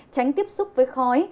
tránh tiếp xúc với khói